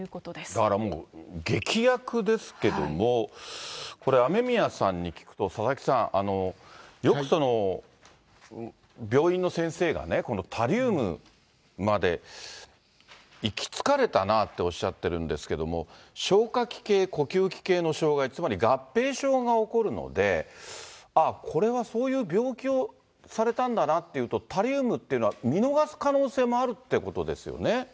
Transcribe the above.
だからもう、劇薬ですけれども、これ、雨宮さんに聞くと、佐々木さん、よくその病院の先生がね、このタリウムまで行き着かれたなっておっしゃってるんですけれども、消化器系、呼吸器系の障害、つまり合併症が起こるので、ああ、これはそういう病気をされたんだなっていうと、タリウムっていうのは見逃す可能性もあるってことですよね。